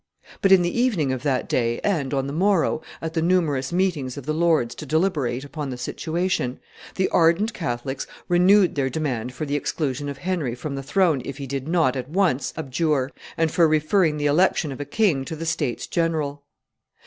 But, in the evening of that day and on the morrow, at the numerous meetings of the lords to deliberate upon the situation, the ardent Catholics renewed their demand for the exclusion of Henry from the throne if he did not at once abjure, and for referring the election of a king to the states general.